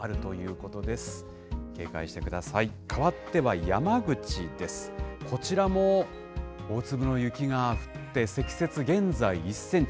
こちらも大粒の雪が降って、積雪現在１センチ。